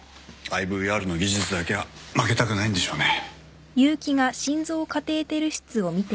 ＩＶＲの技術だけは負けたくないんでしょうね。